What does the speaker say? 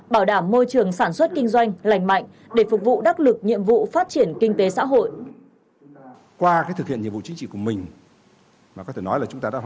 bảo đảm môi trường sản xuất kinh doanh lành mạnh để phục vụ đắc lực nhiệm vụ phát triển kinh tế xã hội